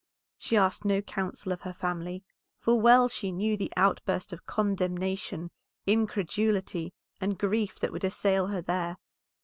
She asked no counsel of her family, for well she knew the outburst of condemnation, incredulity, and grief that would assail her there.